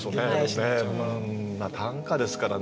短歌ですからね